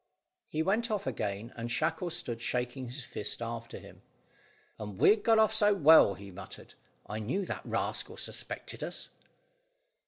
He went off again, and Shackle stood shaking his fist after him. "And we'd got off so well," he muttered. "I knew that rascal suspected us."